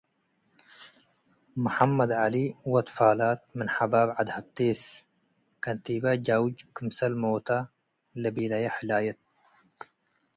መሐመድ ዐሊ ወድ ፋላት ምን ሐባብ ዐድ ህብቴስ። ከንቴባይ ጃውጅ ክምሰል ሞታ ለቤለየ ሕላየት